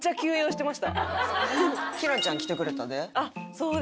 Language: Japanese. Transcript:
陽菜ちゃん来てくれたで。